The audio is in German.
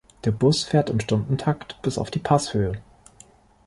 Der Bus fährt im Stundentakt bis auf die Passhöhe.